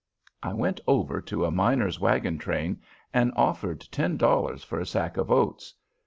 I went over to a miner's wagon train and offered ten dollars for a sack of oats.